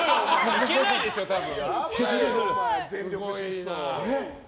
いけないでしょ、多分。